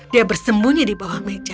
dia bersembunyi di bawah meja